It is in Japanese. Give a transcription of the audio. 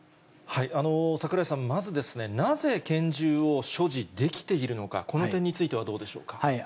櫻井さん、まずなぜ、拳銃を所持できているのか、この点についてはどうでしょうか。